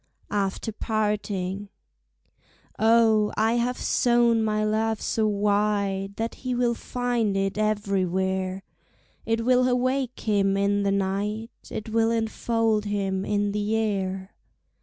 After Parting Oh, I have sown my love so wide That he will find it everywhere; It will awake him in the night, It will enfold him in the air.